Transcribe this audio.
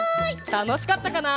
たのしかったかな？